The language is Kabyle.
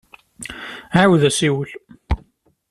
Ɛiwed asiwel.